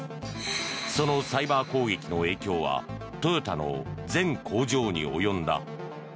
そのサイバー攻撃の影響はトヨタの全工場に及んだ。